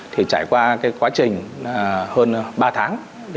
trải qua quá trình hơn ba tháng